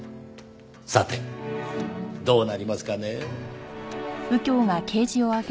さてどうなりますかね？